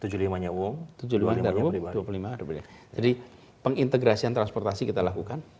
jadi pengintegrasi transportasi kita lakukan